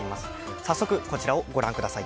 早速こちらを御覧ください。